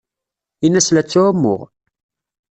Ini-as la ttɛumuɣ.